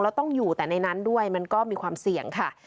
แล้วต้องอยู่แต่ในนั้นด้วยมันก็มีความเสี่ยงค่ะ